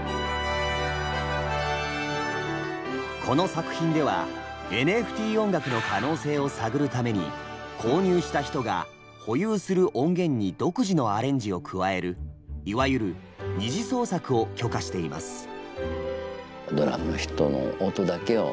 この作品ではＮＦＴ音楽の可能性を探るために購入した人が保有する音源に独自のアレンジを加えるいわゆる「二次創作」を許可しています。